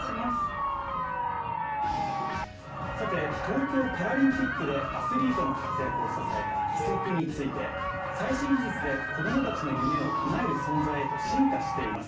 さて東京パラリンピックでアスリートの活躍を支えた義足について最新技術で子供たちの夢を叶える存在へと進化しています